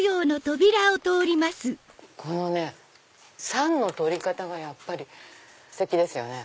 このね桟の取り方がやっぱりステキですよね。